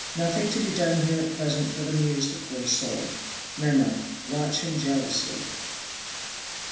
Nothing to be done here at present but amuse the poor soul. Mem. Watch him jealously.